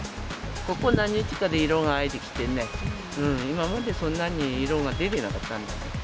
ここ何日かで色が入ってきてね、今までそんなに色が出てなかったんだけど。